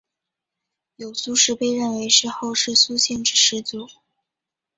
有苏氏被认为是后世苏姓之始祖。